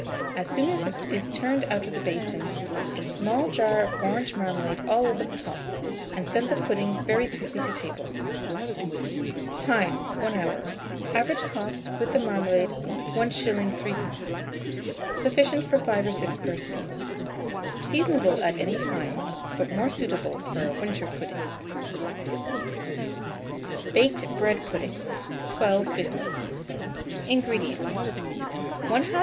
As soon as it is turned out of the basin, put a small jar of orange marmalade all over the top, and send the pudding very quickly to table. Time. 1 hour. Average cost, with the marmalade, 1s. 3d. Sufficient for 5 or 6 persons. Seasonable at any time; but more suitable for a winter pudding. BAKED BREAD PUDDING. 1250. INGREDIENTS. 1/2 lb.